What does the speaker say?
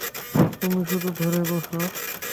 তুমি শুধু ধরে বসো।